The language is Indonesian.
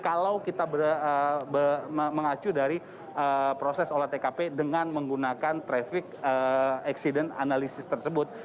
kalau kita mengacu dari proses olah tkp dengan menggunakan traffic accident analysis tersebut